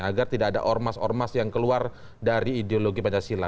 agar tidak ada ormas ormas yang keluar dari ideologi pancasila